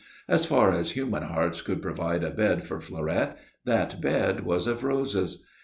As far as human hearts could provide a bed for Fleurette, that bed was of roses.